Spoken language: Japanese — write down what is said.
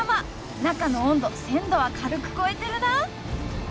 中の温度１，０００度は軽く超えてるな！